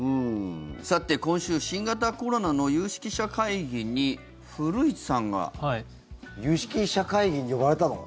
さて、今週、新型コロナの有識者会議に古市さんが。有識者会議に呼ばれたの？